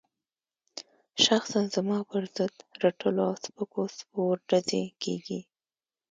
شخصاً زما پر ضد رټلو او سپکو سپور ډزې کېږي.